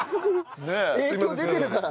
影響出てるから。